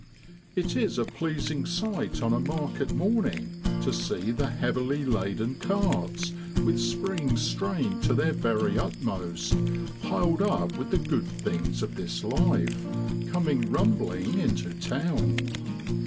It is a pleasing sight on a market morning to see the heavily laden carts, with springs strained to their very utmost, piled up with the good things of this life, coming rumbling into town.